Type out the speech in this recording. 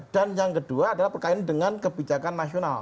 dan yang kedua adalah perkawinan dengan kebijakan nasional